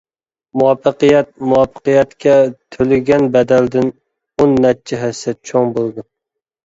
مۇۋەپپەقىيەت، مۇۋەپپەقىيەتكە تۆلىگەن بەدەلدىن ئون نەچچە ھەسسە چوڭ بولىدۇ.